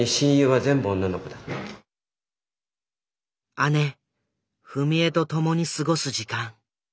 姉冨美枝と共に過ごす時間。